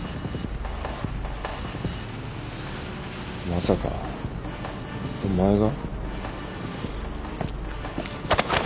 まさかお前が？